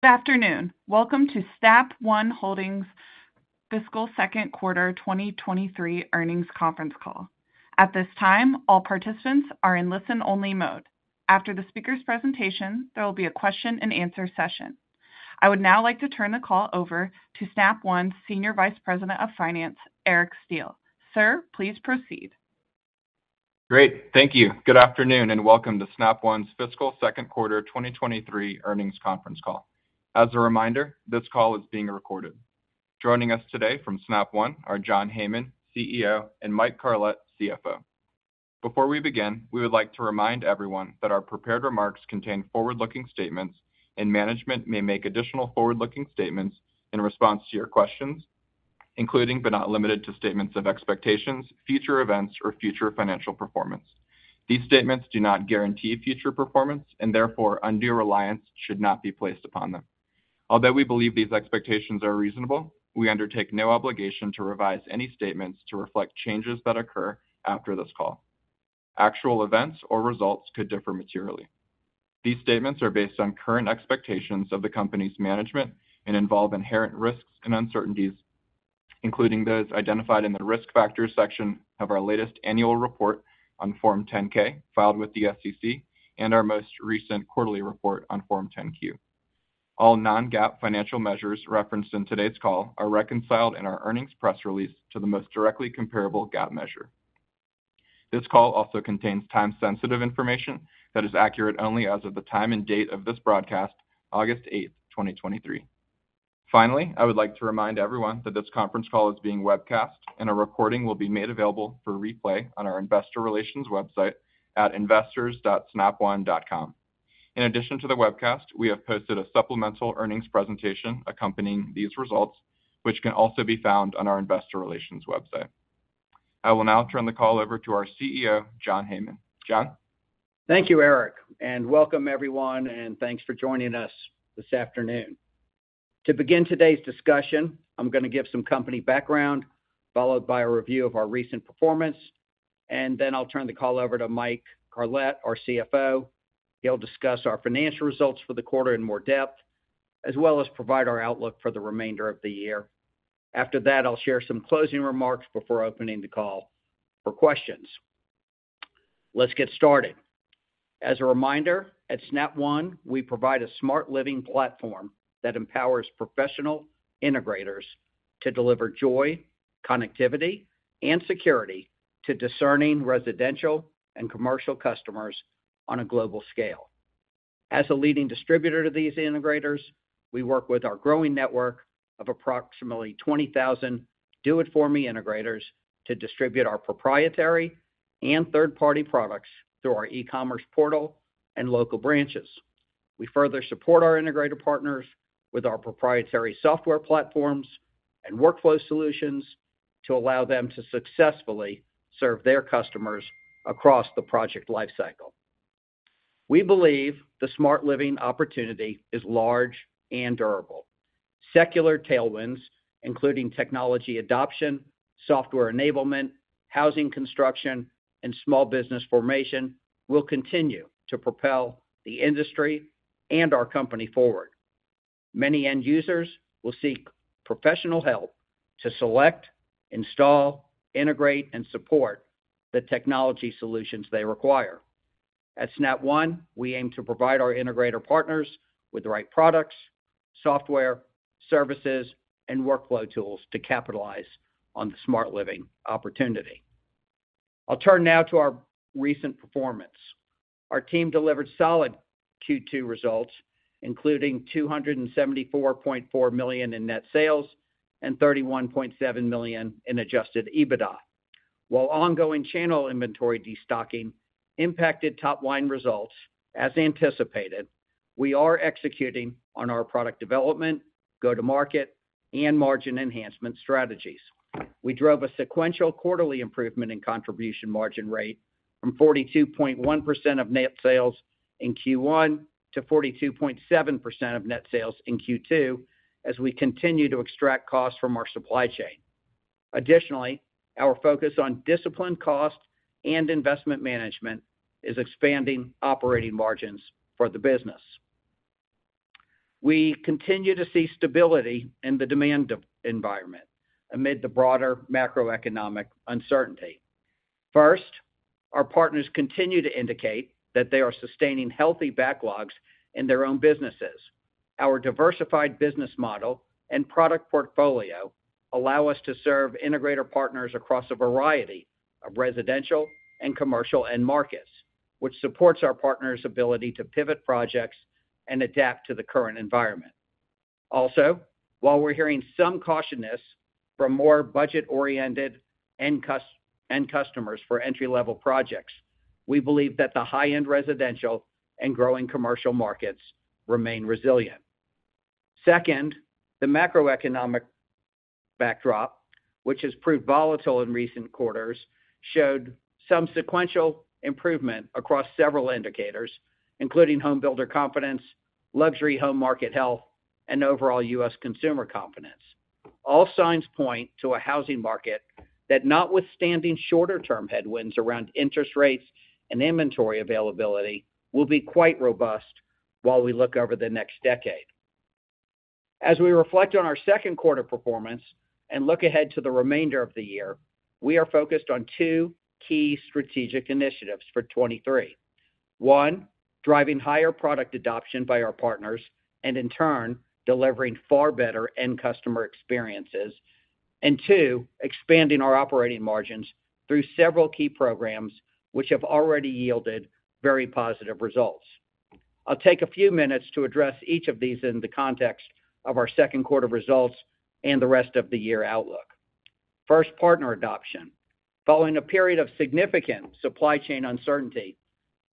Good afternoon. Welcome to Snap One Holdings' fiscal second quarter 2023 earnings conference call. At this time, all participants are in listen-only mode. After the speaker's presentation, there will be a question-and-answer session. I would now like to turn the call over to Snap One's Senior Vice President of Finance, Eric Steele. Sir, please proceed. Great. Thank you. Good afternoon, welcome to Snap One's fiscal second quarter 2023 earnings conference call. As a reminder, this call is being recorded. Joining us today from Snap One are John Heyman, CEO, and Mike Carlet, CFO. Before we begin, we would like to remind everyone that our prepared remarks contain forward-looking statements, and management may make additional forward-looking statements in response to your questions, including but not limited to statements of expectations, future events, or future financial performance. These statements do not guarantee future performance, and therefore, undue reliance should not be placed upon them. Although we believe these expectations are reasonable, we undertake no obligation to revise any statements to reflect changes that occur after this call. Actual events or results could differ materially. These statements are based on current expectations of the company's management and involve inherent risks and uncertainties, including those identified in the Risk Factors section of our latest annual report on Form 10-K, filed with the SEC, and our most recent quarterly report on Form 10-Q. All non-GAAP financial measures referenced in today's call are reconciled in our earnings press release to the most directly comparable GAAP measure. This call also contains time-sensitive information that is accurate only as of the time and date of this broadcast, August 8th, 2023. Finally, I would like to remind everyone that this conference call is being webcast, and a recording will be made available for replay on our investor relations website at investors.snapone.com. In addition to the webcast, we have posted a supplemental earnings presentation accompanying these results, which can also be found on our investor relations website. I will now turn the call over to our CEO, John Heyman. John? Thank you, Eric, welcome everyone, and thanks for joining us this afternoon. To begin today's discussion, I'm gonna give some company background, followed by a review of our recent performance, then I'll turn the call over to Mike Carlet, our CFO. He'll discuss our financial results for the quarter in more depth, as well as provide our outlook for the remainder of the year. After that, I'll share some closing remarks before opening the call for questions. Let's get started. As a reminder, at Snap One, we provide a smart living platform that empowers professional integrators to deliver joy, connectivity, and security to discerning residential and commercial customers on a global scale. As a leading distributor to these integrators, we work with our growing network of approximately 20,000 do-it-for-me integrators to distribute our proprietary and third-party products through our e-commerce portal and local branches. We further support our integrator partners with our proprietary software platforms and workflow solutions to allow them to successfully serve their customers across the project lifecycle. We believe the smart living opportunity is large and durable. Secular tailwinds, including technology adoption, software enablement, housing construction, and small business formation, will continue to propel the industry and our company forward. Many end users will seek professional help to select, install, integrate, and support the technology solutions they require. At Snap One, we aim to provide our integrator partners with the right products, software, services, and workflow tools to capitalize on the smart living opportunity. I'll turn now to our recent performance. Our team delivered solid Q2 results, including $274.4 million in net sales and $31.7 million in Adjusted EBITDA. While ongoing channel inventory destocking impacted top-line results, as anticipated, we are executing on our product development, go-to-market, and margin enhancement strategies. We drove a sequential quarterly improvement in contribution margin rate from 42.1% of net sales in Q1 to 42.7% of net sales in Q2 as we continue to extract costs from our supply chain. Additionally, our focus on disciplined cost and investment management is expanding operating margins for the business. We continue to see stability in the demand of environment amid the broader macroeconomic uncertainty. First, our partners continue to indicate that they are sustaining healthy backlogs in their own businesses. Our diversified business model and product portfolio allow us to serve integrator partners across a variety of residential and commercial end markets, which supports our partners' ability to pivot projects and adapt to the current environment. Also, while we're hearing some cautiousness from more budget-oriented end customers for entry-level projects, we believe that the high-end residential and growing commercial markets remain resilient. Second, the macroeconomic backdrop, which has proved volatile in recent quarters, showed some sequential improvement across several indicators, including homebuilder confidence, luxury home market health, and overall US consumer confidence. All signs point to a housing market that, notwithstanding shorter-term headwinds around interest rates and inventory availability, will be quite robust while we look over the next decade. As we reflect on our second quarter performance and look ahead to the remainder of the year, we are focused on two key strategic initiatives for 23. One, driving higher product adoption by our partners, and in turn, delivering far better end customer experiences. Two, expanding our operating margins through several key programs, which have already yielded very positive results. I'll take a few minutes to address each of these in the context of our second quarter results and the rest of the year outlook. First, partner adoption. Following a period of significant supply chain uncertainty,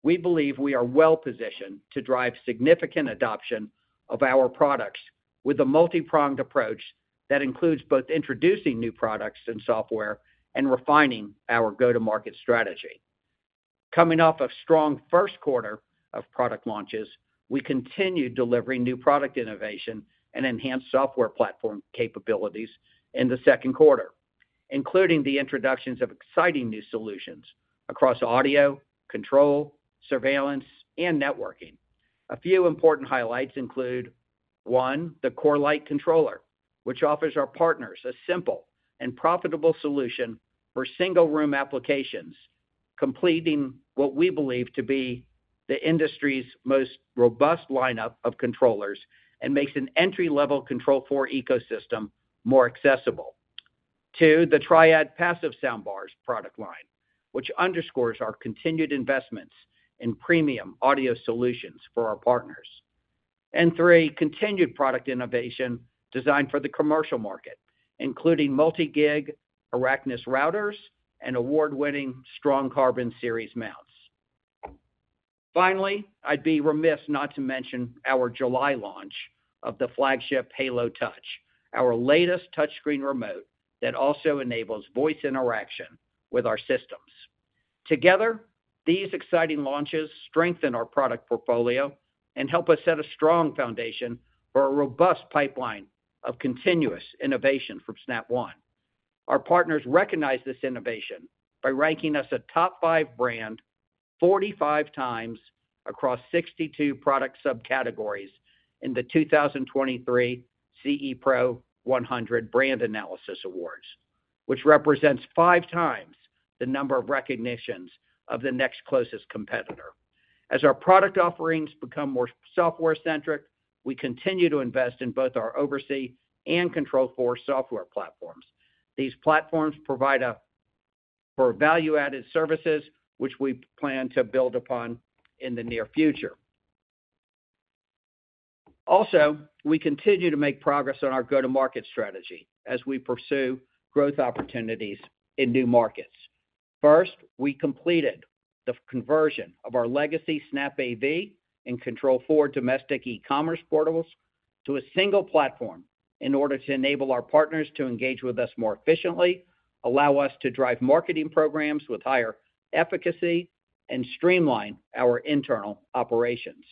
we believe we are well positioned to drive significant adoption of our products with a multipronged approach that includes both introducing new products and software and refining our go-to-market strategy. Coming off a strong first quarter of product launches, we continued delivering new product innovation and enhanced software platform capabilities in the second quarter, including the introductions of exciting new solutions across audio, control, surveillance, and networking. A few important highlights include, 1, theCORE Lite Controller, which offers our partners a simple and profitable solution for single-room applications, completing what we believe to be the industry's most robust lineup of controllers and makes an entry-level Control4 ecosystem more accessible. 2, the Triad Passive Soundbars product line, which underscores our continued investments in premium audio solutions for our partners. 3, continued product innovation designed for the commercial market, including Multi-Gig Araknis routers and award-winning Strong Carbon Series mounts. Finally, I'd be remiss not to mention our July launch of the flagship Halo Touch, our latest touchscreen remote that also enables voice interaction with our systems. Together, these exciting launches strengthen our product portfolio and help us set a strong foundation for a robust pipeline of continuous innovation from Snap One. Our partners recognize this innovation by ranking us a top five brand 45 times across 62 product subcategories in the 2023 CE Pro 100 Brand Analysis Awards, which represents five times the number of recognitions of the next closest competitor. As our product offerings become more software-centric, we continue to invest in both our OvrC and Control4 software platforms. These platforms provide a for value-added services, which we plan to build upon in the near future. Also, we continue to make progress on our go-to-market strategy as we pursue growth opportunities in new markets. First, we completed the conversion of our legacy SnapAV and Control4 domestic e-commerce portals to a single platform in order to enable our partners to engage with us more efficiently, allow us to drive marketing programs with higher efficacy, and streamline our internal operations.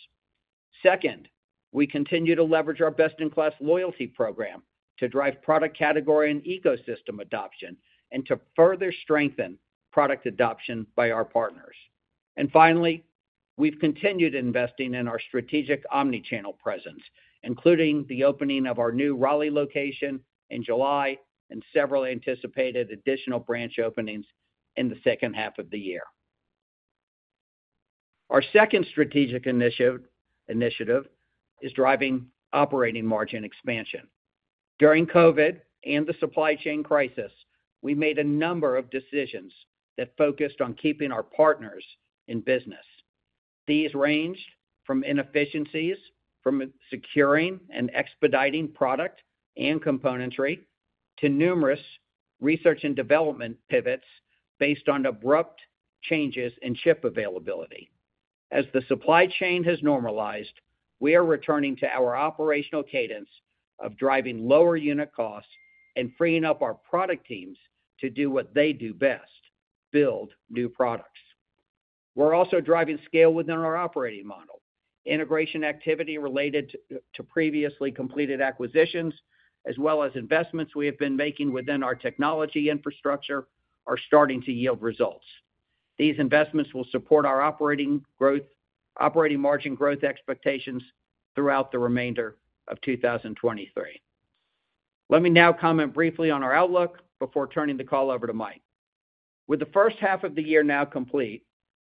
Second, we continue to leverage our best-in-class loyalty program to drive product category and ecosystem adoption and to further strengthen product adoption by our partners. Finally, we've continued investing in our strategic omni-channel presence, including the opening of our new Raleigh location in July and several anticipated additional branch openings in the second half of the year. Our second strategic initiative is driving operating margin expansion. During COVID and the supply chain crisis, we made a number of decisions that focused on keeping our partners in business. These ranged from inefficiencies, from securing and expediting product and componentry, to numerous research and development pivots based on abrupt changes in chip availability. As the supply chain has normalized, we are returning to our operational cadence of driving lower unit costs and freeing up our product teams to do what they do best, build new products. We're also driving scale within our operating model. Integration activity related to previously completed acquisitions, as well as investments we have been making within our technology infrastructure, are starting to yield results. These investments will support our operating margin growth expectations throughout the remainder of 2023. Let me now comment briefly on our outlook before turning the call over to Mike. With the first half of the year now complete,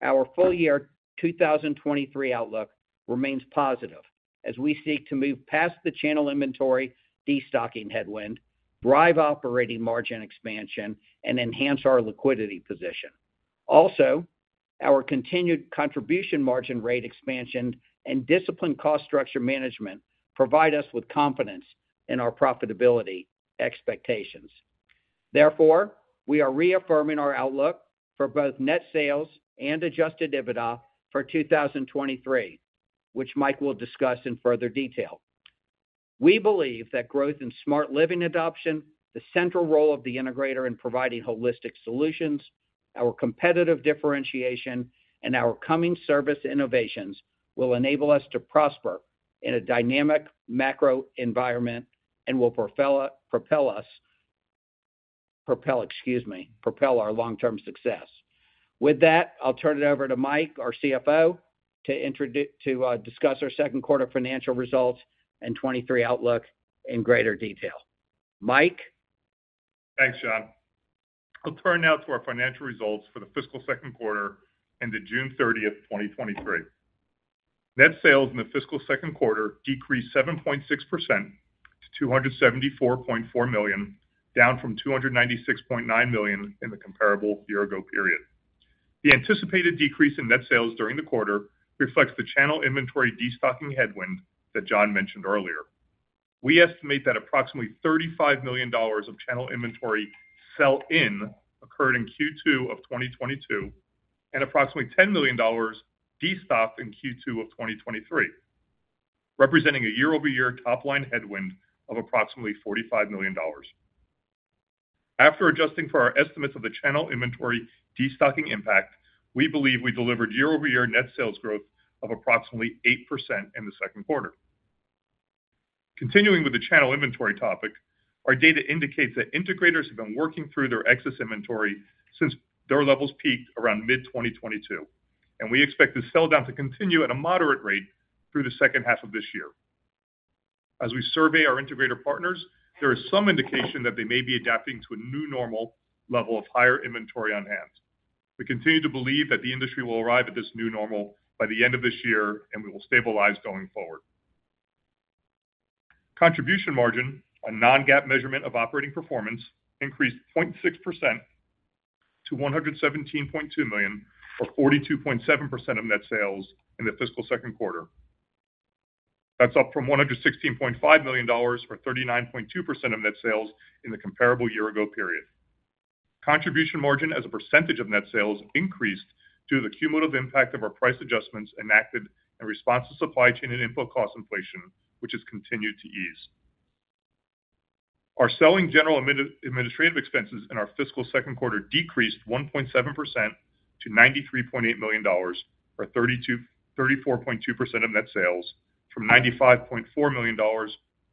our full year 2023 outlook remains positive as we seek to move past the channel inventory, destocking headwind, drive operating margin expansion, and enhance our liquidity position. Our continued contribution margin rate expansion and disciplined cost structure management provide us with confidence in our profitability expectations. We are reaffirming our outlook for both net sales and Adjusted EBITDA for 2023, which Mike will discuss in further detail. We believe that growth in smart living adoption, the central role of the integrator in providing holistic solutions, our competitive differentiation and our coming service innovations will enable us to prosper in a dynamic macro environment and will propel, propel us, propel, excuse me, propel our long-term success. With that, I'll turn it over to Mike, our CFO, to discuss our second quarter financial results and 2023 outlook in greater detail. Mike? Thanks, John. I'll turn now to our financial results for the fiscal second quarter ended June thirtieth, 2023. Net sales in the fiscal second quarter decreased 7.6% to $274.4 million, down from $296.9 million in the comparable year-ago period. The anticipated decrease in net sales during the quarter reflects the channel inventory destocking headwind that John mentioned earlier. We estimate that approximately $35 million of channel inventory sell-in occurred in Q2 of 2022, and approximately $10 million destocked in Q2 of 2023, representing a year-over-year top-line headwind of approximately $45 million. After adjusting for our estimates of the channel inventory destocking impact, we believe we delivered year-over-year net sales growth of approximately 8% in the second quarter. Continuing with the channel inventory topic, our data indicates that integrators have been working through their excess inventory since their levels peaked around mid-2022. We expect this sell-down to continue at a moderate rate through the 2nd half of this year. As we survey our integrator partners, there is some indication that they may be adapting to a new normal level of higher inventory on hand. We continue to believe that the industry will arrive at this new normal by the end of this year, and we will stabilize going forward. Contribution margin, a non-GAAP measurement of operating performance, increased 0.6% to $117.2 million, or 42.7% of net sales in the fiscal 2nd quarter. That's up from $116.5 million, or 39.2% of net sales, in the comparable year-ago period. Contribution margin as a percentage of net sales increased due to the cumulative impact of our price adjustments enacted in response to supply chain and input cost inflation, which has continued to ease. Our selling general administrative expenses in our fiscal second quarter decreased 1.7% to $93.8 million, or 34.2% of net sales, from $95.4 million, or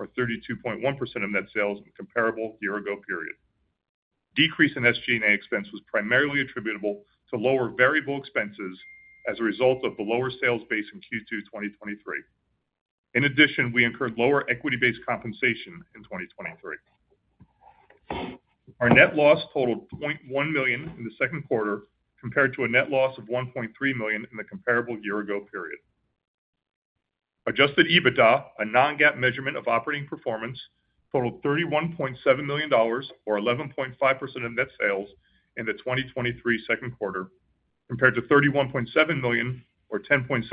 32.1% of net sales, in the comparable year-ago period. Decrease in SG&A expense was primarily attributable to lower variable expenses as a result of the lower sales base in Q2 2023. In addition, we incurred lower equity-based compensation in 2023. Our net loss totaled $0.1 million in the second quarter, compared to a net loss of $1.3 million in the comparable year-ago period. Adjusted EBITDA, a non-GAAP measurement of operating performance, totaled $31.7 million, or 11.5% of net sales, in the 2023 second quarter, compared to $31.7 million, or 10.7%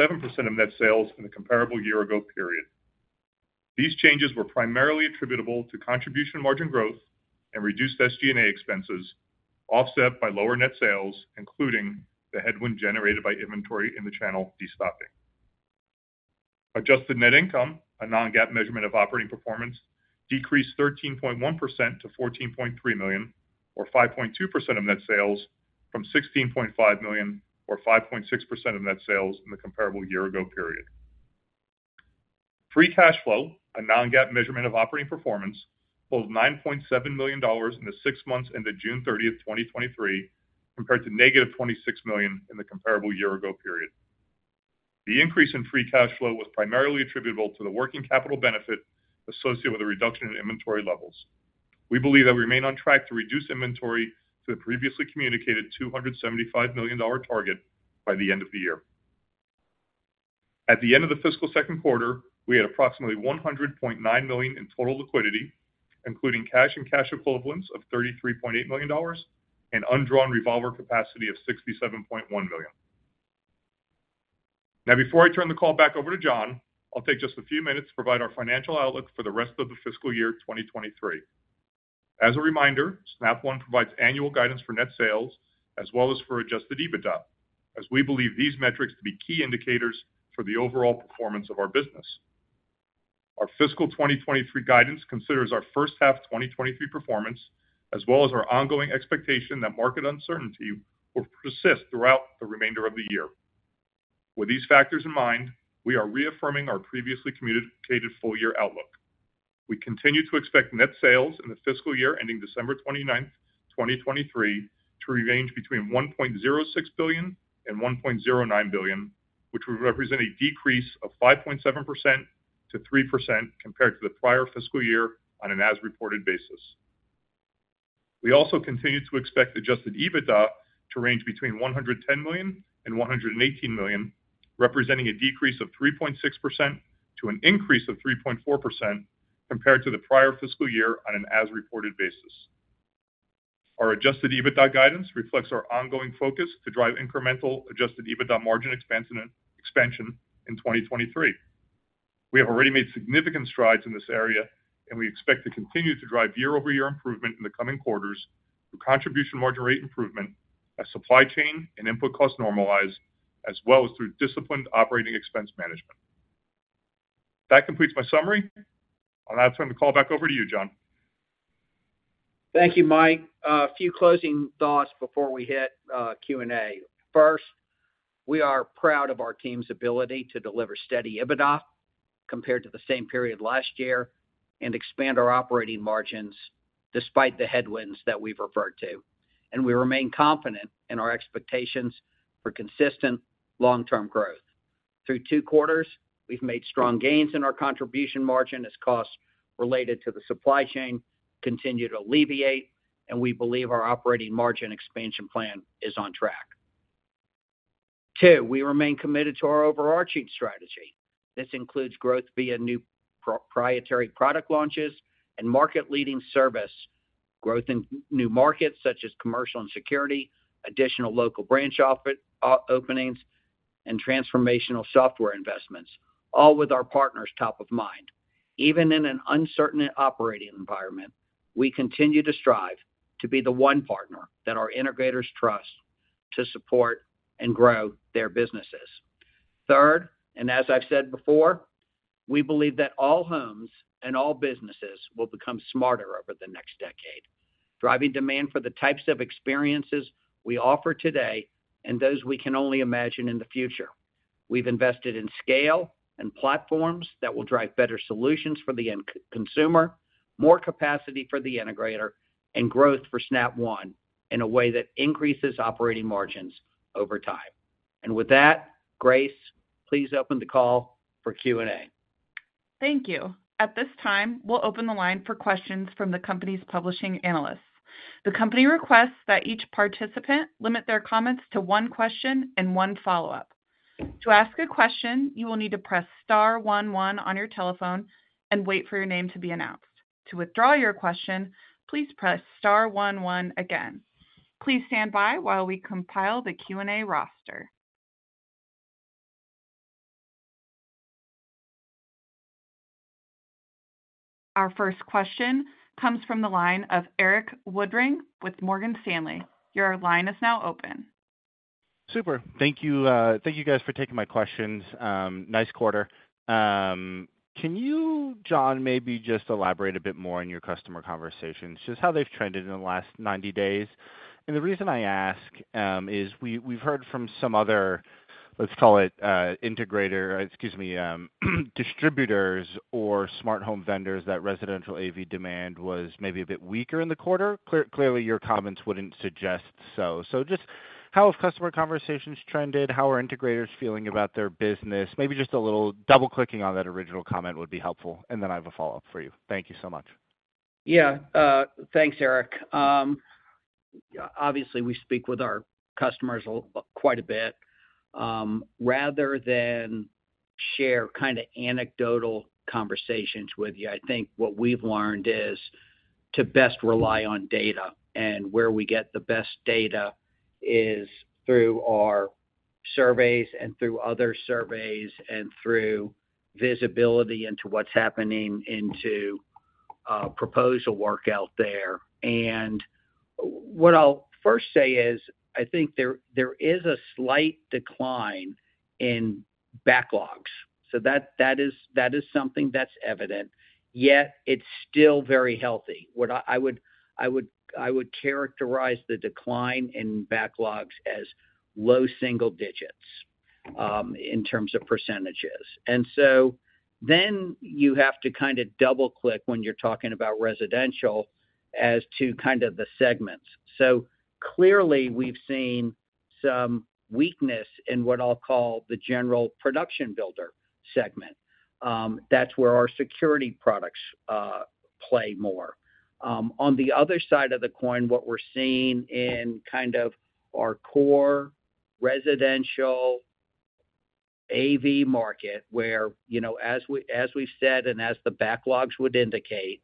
of net sales, in the comparable year-ago period. These changes were primarily attributable to contribution margin growth and reduced SG&A expenses, offset by lower net sales, including the headwind generated by inventory in the channel destocking. Adjusted net income, a non-GAAP measurement of operating performance, decreased 13.1% to $14.3 million, or 5.2% of net sales, from $16.5 million, or 5.6% of net sales, in the comparable year-ago period. Free cash flow, a non-GAAP measurement of operating performance, totaled $9.7 million in the six months ended June thirtieth, 2023, compared to negative $26 million in the comparable year-ago period. The increase in free cash flow was primarily attributable to the working capital benefit associated with a reduction in inventory levels. We believe that we remain on track to reduce inventory to the previously communicated $275 million target by the end of the year. At the end of the fiscal second quarter, we had approximately $100.9 million in total liquidity, including cash and cash equivalents of $33.8 million and undrawn revolver capacity of $67.1 million. Now, before I turn the call back over to John, I'll take just a few minutes to provide our financial outlook for the rest of the fiscal year 2023. As a reminder, Snap One provides annual guidance for net sales as well as for Adjusted EBITDA, as we believe these metrics to be key indicators for the overall performance of our business. Our fiscal 2023 guidance considers our first half 2023 performance, as well as our ongoing expectation that market uncertainty will persist throughout the remainder of the year. With these factors in mind, we are reaffirming our previously communicated full-year outlook. We continue to expect net sales in the fiscal year ending December 29, 2023, to range between $1.06 billion and $1.09 billion, which would represent a decrease of 5.7%-3% compared to the prior fiscal year on an as-reported basis. We also continue to expect Adjusted EBITDA to range between $110 million and $118 million, representing a decrease of 3.6% to an increase of 3.4% compared to the prior fiscal year on an as-reported basis. Our Adjusted EBITDA guidance reflects our ongoing focus to drive incremental Adjusted EBITDA margin expense expansion in 2023. We have already made significant strides in this area, and we expect to continue to drive year-over-year improvement in the coming quarters through contribution margin rate improvement as supply chain and input costs normalize, as well as through disciplined operating expense management. That completes my summary. I'll now turn the call back over to you, John. Thank you, Mike. A few closing thoughts before we hit Q&A. First, we are proud of our team's ability to deliver steady EBITDA compared to the same period last year and expand our operating margins despite the headwinds that we've referred to. We remain confident in our expectations for consistent long-term growth. Through 2 quarters, we've made strong gains in our contribution margin as costs related to the supply chain continue to alleviate. We believe our operating margin expansion plan is on track. Two, we remain committed to our overarching strategy. This includes growth via new proprietary product launches and market-leading service, growth in new markets, such as commercial and security, additional local branch openings, and transformational software investments, all with our partners top of mind. Even in an uncertain operating environment, we continue to strive to be the one partner that our integrators trust to support and grow their businesses. Third, as I've said before, we believe that all homes and all businesses will become smarter over the next decade, driving demand for the types of experiences we offer today and those we can only imagine in the future. We've invested in scale and platforms that will drive better solutions for the end consumer, more capacity for the integrator, and growth for Snap One in a way that increases operating margins over time. With that, Grace, please open the call for Q&A. Thank you. At this time, we'll open the line for questions from the company's publishing analysts. The company requests that each participant limit their comments to one question and one follow-up. To ask a question, you will need to press star one one on your telephone and wait for your name to be announced. To withdraw your question, please press star one one again. Please stand by while we compile the Q&A roster. Our first question comes from the line of Eric Woodring with Morgan Stanley. Your line is now open. Super. Thank you, thank you, guys, for taking my questions. Nice quarter. Can you, John, maybe just elaborate a bit more on your customer conversations, just how they've trended in the last 90 days? The reason I ask is we, we've heard from some other, let's call it, integrator, excuse me, distributors or smart home vendors, that residential AV demand was maybe a bit weaker in the quarter. Clearly, your comments wouldn't suggest so. Just how have customer conversations trended? How are integrators feeling about their business? Maybe just a little double-clicking on that original comment would be helpful, and then I have a follow-up for you. Thank you so much. Yeah, thanks, Eric. Obviously, we speak with our customers a quite a bit. Rather than share kind of anecdotal conversations with you, I think what we've learned is to best rely on data, and where we get the best data is through our surveys and through other surveys and through visibility into what's happening into proposal work out there. What I'll first say is, I think there, there is a slight decline in backlogs. That, that is, that is something that's evident, yet it's still very healthy. What I, I would, I would, I would characterize the decline in backlogs as low single digits in terms of percentages. You have to kind of double-click when you're talking about residential as to kind of the segments. Clearly, we've seen some weakness in what I'll call the general production builder segment. That's where our security products play more. On the other side of the coin, what we're seeing in kind of our core residential AV market, where, you know, as we, as we've said, and as the backlogs would indicate,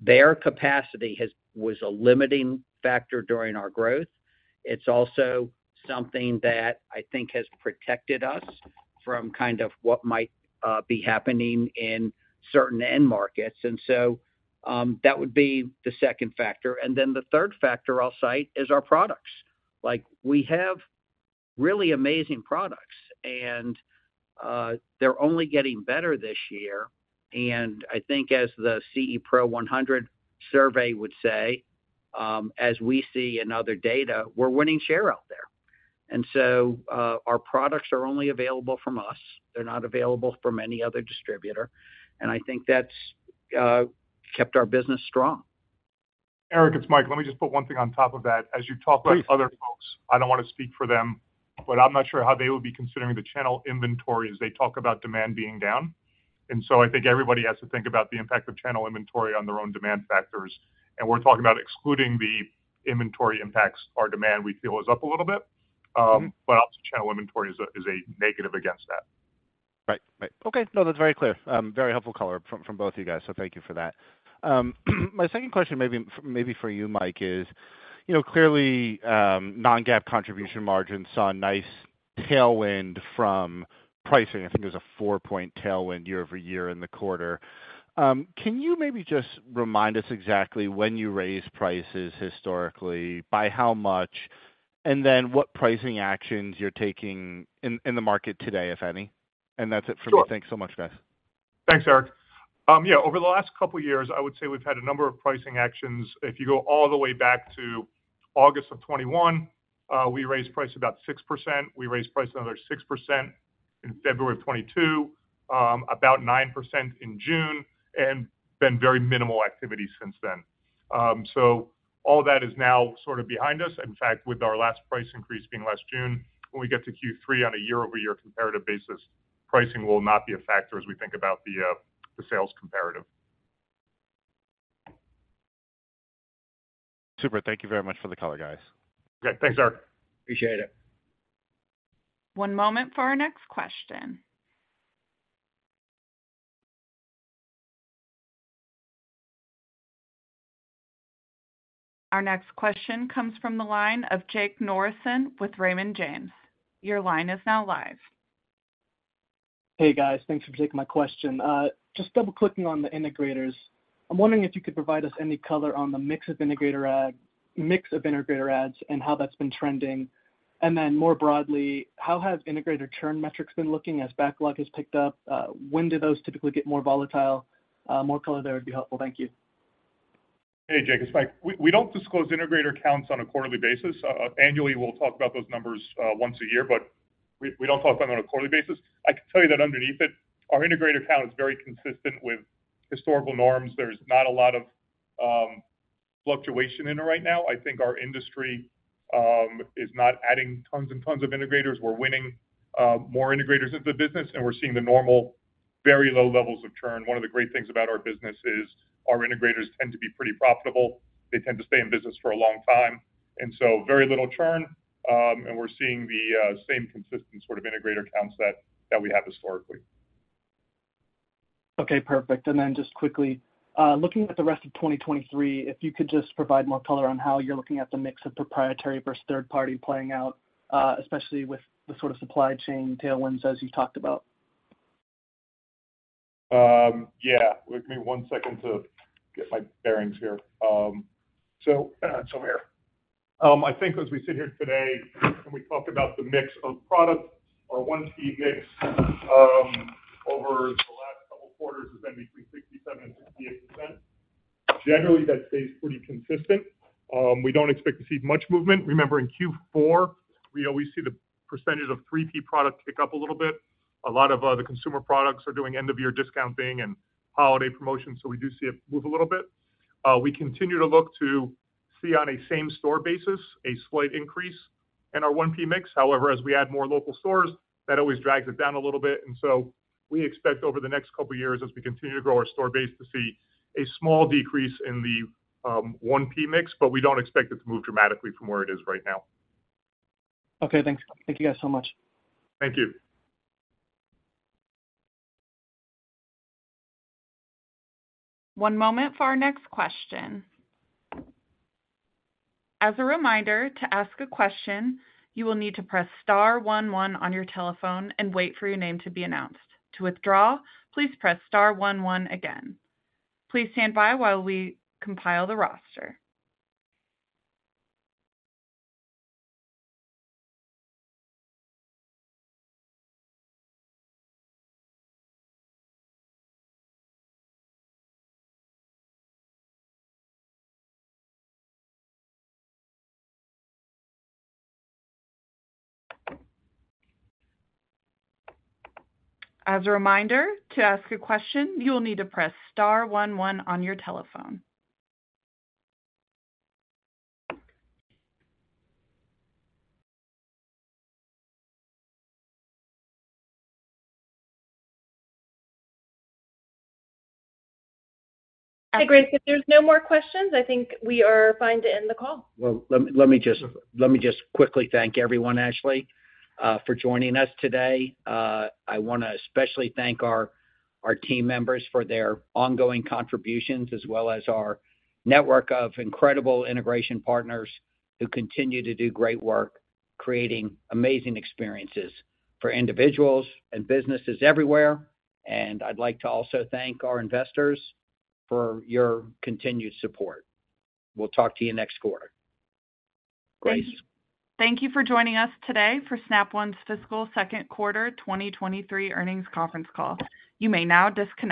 their capacity was a limiting factor during our growth. It's also something that I think has protected us from kind of what might be happening in certain end markets. That would be the second factor. The third factor I'll cite is our products. Like, we have really amazing products, and they're only getting better this year. I think as the CE Pro 100 survey would say, as we see in other data, we're winning share out there. Our products are only available from us. They're not available from any other distributor. I think that's kept our business strong. Eric, it's Mike. Let me just put one thing on top of that. Please. As you talk about other folks, I don't want to speak for them, but I'm not sure how they would be considering the channel inventory as they talk about demand being down. So I think everybody has to think about the impact of channel inventory on their own demand factors. We're talking about excluding the inventory impacts, our demand, we feel, is up a little bit. But obviously, channel inventory is a, is a negative against that. Right. Right. Okay, no, that's very clear. Very helpful color from, from both of you guys, so thank you for that. My second question, maybe, maybe for you, Mike, is, you know, clearly, non-GAAP contribution margins saw a nice tailwind from pricing. I think there's a 4-point tailwind year-over-year in the quarter. Can you maybe just remind us exactly when you raised prices historically, by how much? What pricing actions you're taking in, in the market today, if any? That's it for me. Sure. Thanks so much, guys. Thanks, Eric. Yeah, over the last couple of years, I would say we've had a number of pricing actions. If you go all the way back to August of 2021, we raised price about 6%. We raised price another 6% in February of 2022, about 9% in June, and been very minimal activity since then. All that is now sort of behind us. In fact, with our last price increase being last June, when we get to Q3 on a year-over-year comparative basis, pricing will not be a factor as we think about the sales comparative. Super. Thank you very much for the color, guys. Okay. Thanks, Eric. Appreciate it. One moment for our next question. Our next question comes from the line of Jake Norris with Raymond James. Your line is now live. Hey, guys. Thanks for taking my question. Just double-clicking on the integrators. I'm wondering if you could provide us any color on the mix of integrator ads and how that's been trending. Then more broadly, how have integrator churn metrics been looking as backlog has picked up? When do those typically get more volatile? More color there would be helpful. Thank you. Hey, Jake, it's Mike. We, we don't disclose integrator counts on a quarterly basis. Annually, we'll talk about those numbers once a year, but we, we don't talk about them on a quarterly basis. I can tell you that underneath it, our integrator count is very consistent with historical norms. There's not a lot of fluctuation in it right now. I think our industry is not adding tons and tons of integrators. We're winning more integrators into the business, and we're seeing the normal, very low levels of churn. One of the great things about our business is our integrators tend to be pretty profitable. They tend to stay in business for a long time, and so very little churn, and we're seeing the same consistent sort of integrator counts that, that we have historically. Okay, perfect. Then just quickly, looking at the rest of 2023, if you could just provide more color on how you're looking at the mix of proprietary versus third-party playing out, especially with the sort of supply chain tailwinds as you talked about. Yeah. Give me 1 second to get my bearings here. So here. I think as we sit here today, and we talk about the mix of products, our 1P mix over the last couple of quarters has been between 67% and 68%. Generally, that stays pretty consistent. We don't expect to see much movement. Remember, in Q4, we always see the percentage of third-party products kick up a little bit. A lot of the consumer products are doing end-of-year discounting and holiday promotions, so we do see it move a little bit. We continue to look to see on a same store basis, a slight increase in our 1P mix. However, as we add more local stores, that always drags it down a little bit. We expect over the next couple of years, as we continue to grow our store base, to see a small decrease in the 1P mix, but we don't expect it to move dramatically from where it is right now. Okay, thanks. Thank you guys so much. Thank you. One moment for our next question. As a reminder, to ask a question, you will need to press star one one on your telephone and wait for your name to be announced. To withdraw, please press star one one again. Please stand by while we compile the roster. As a reminder, to ask a question, you will need to press star one one on your telephone. Hey, Grace, if there's no more questions, I think we are fine to end the call. Well, let me, let me just quickly thank everyone, Ashley, for joining us today. I wanna especially thank our, our team members for their ongoing contributions, as well as our network of incredible integration partners who continue to do great work creating amazing experiences for individuals and businesses everywhere. I'd like to also thank our investors for your continued support. We'll talk to you next quarter. Grace? Thank you for joining us today for Snap One's fiscal second quarter 2023 earnings conference call. You may now disconnect.